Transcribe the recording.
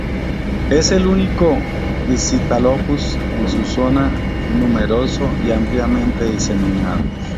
Es el único "Scytalopus" en su zona, numeroso y ampliamente diseminado.